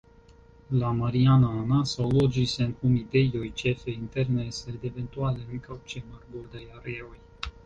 La Mariana anaso loĝis en humidejoj, ĉefe interne sed eventuale ankaŭ ĉe marbordaj areoj.